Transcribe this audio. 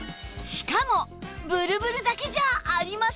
しかもブルブルだけじゃありません！